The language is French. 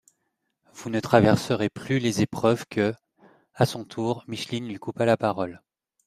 Vous ne traverserez plus les épreuves que …» A son tour, Micheline lui coupa la parole.